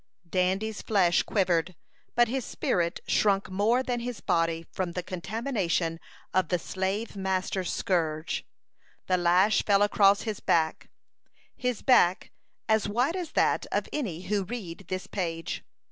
Dandy's flesh quivered, but his spirit shrunk more than his body from the contamination of the slave master's scourge. The lash fell across his back his back, as white as that of any who read this page.